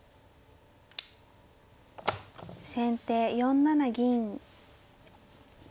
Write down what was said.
先手４七銀。